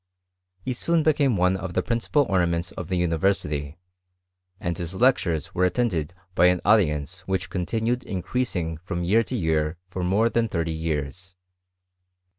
He soon be* ^;ame one of the princi|Md ornaments of the university ; %nd his lectures were attended by an audience which contiiiued increasing from year to year for more than thirty years.